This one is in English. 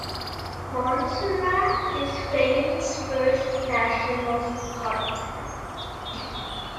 Montserrat is Spain's first National Park.